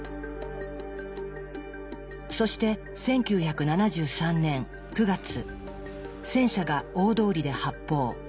そして１９７３年９月戦車が大通りで発砲。